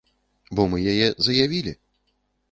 Бо мы яе заявілі.